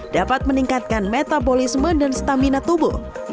dapat meningkatkan metabolisme dan stamina tubuh